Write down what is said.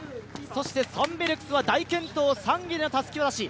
そして、サンベルクスは大健闘、３位でのたすき渡し。